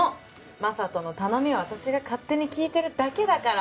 Ｍａｓａｔｏの頼みを私が勝手に聞いてるだけだから。